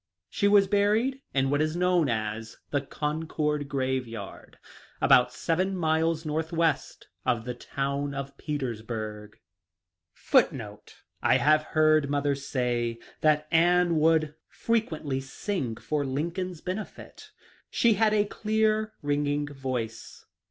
She was buried in what is known as the Concord grave yard, about seven miles north west of the town of Petersburg.* The most astonishing and sad sequel to this court *" I have heard mother say that Anne would frequently sing for Lincoln's benefit. She had a clear, ringing voice.